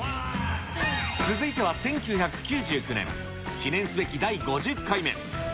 続いては１９９９年、記念すべき第５０回目。